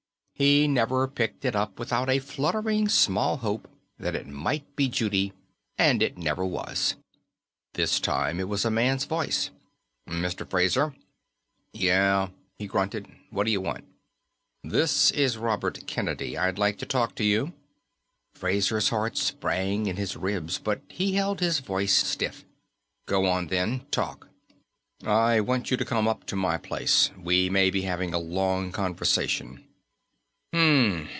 He never picked it up without a fluttering small hope that it might be Judy, and it never was. This time it was a man's voice: "Mr. Fraser?" "Yeah," he grunted. "Wha'dya want?" "This is Robert Kennedy. I'd like to talk to you." Fraser's heart sprang in his ribs, but he held his voice stiff. "Go on, then. Talk." "I want you to come up to my place. We may be having a long conversation."